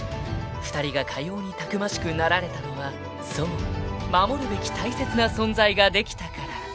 ［２人がかようにたくましくなられたのはそう守るべき大切な存在ができたから］